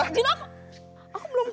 mereceh banget sih